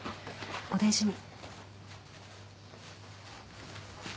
お大事に。